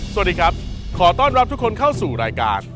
สวัสดีครับขอต้อนรับทุกคนเข้าสู่รายการ